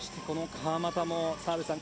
川真田も澤部さん